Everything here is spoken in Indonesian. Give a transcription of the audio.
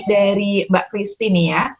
dari mbak christie nih ya